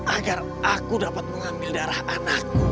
agar aku dapat mengambil darah anakku